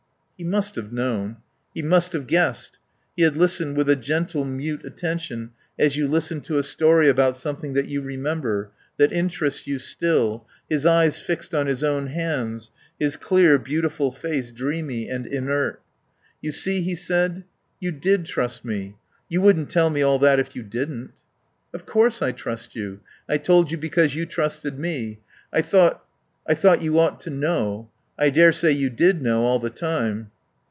He must have known. He must have guessed. He had listened with a gentle, mute attention, as you listen to a story about something that you remember, that interests you still, his eyes fixed on his own hands, his clear, beautiful face dreamy and inert. "You see," he said, "you did trust me. You wouldn't tell me all that if you didn't." "Of course I trust you. I told you because you trusted me. I thought I thought you ought to know. I daresay you did know all the time."